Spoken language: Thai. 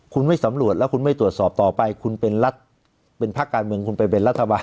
คุณไม่สำรวจแล้วคุณไม่ตรวจสอบต่อไปคุณเป็นรัฐเป็นภาคการเมืองคุณไปเป็นรัฐบาล